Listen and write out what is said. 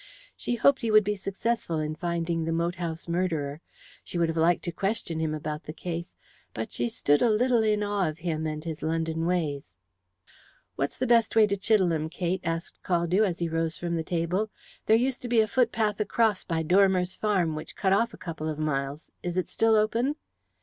She hoped he would be successful in finding the moat house murderer. She would have liked to question him about the case, but she stood a little in awe of him and his London ways. "What's the best way to Chidelham, Kate?" asked Caldew, as he rose from the table. "There used to be a footpath across by Dormer's farm which cut off a couple of miles. Is it still open?"